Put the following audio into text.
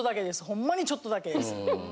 ほんまにちょっとだけです。